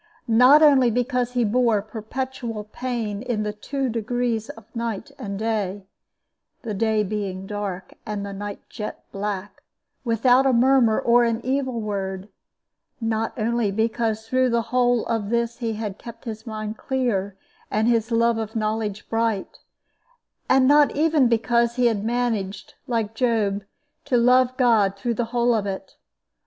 Not only because he bore perpetual pain in the two degrees of night and day the day being dark and the night jet black without a murmur or an evil word; not only because through the whole of this he had kept his mind clear and his love of knowledge bright; not even because he had managed, like Job, to love God through the whole of it.